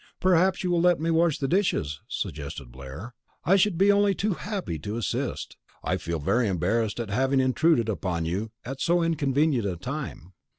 "Perhaps you will let me wash the dishes," suggested Blair. "I should be only too happy to assist. I feel very embarrassed at having intruded upon you at so inconvenient a time."